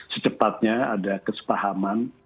secepatnya ada kesepahaman